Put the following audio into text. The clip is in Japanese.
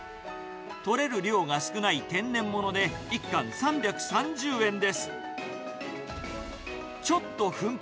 取れる量が少ない天然物で、１貫３３０円です。